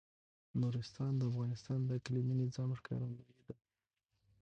نورستان د افغانستان د اقلیمي نظام ښکارندوی ده.